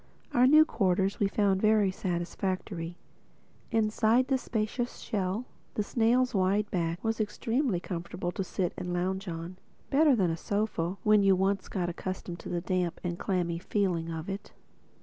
Our new quarters we found very satisfactory. Inside the spacious shell, the snail's wide back was extremely comfortable to sit and lounge on—better than a sofa, when you once got accustomed to the damp and clammy feeling of it.